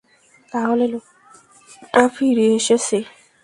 তাহলে, লোকটা ফিরে এসেছে।